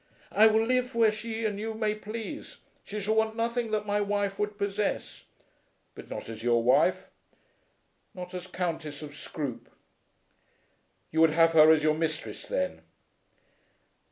"I will live where she and you may please. She shall want nothing that my wife would possess." "But not as your wife?" "Not as Countess of Scroope." "You would have her as your mistress, then?"